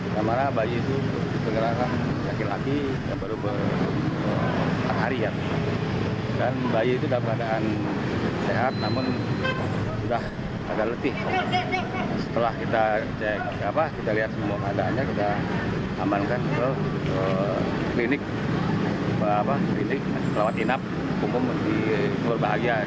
jadi selamat dinap kumum di sumber bahagia di bahagia depok timur